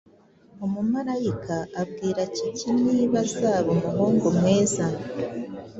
Umumarayika abwira kiki niba azaba umuhungu mwiza,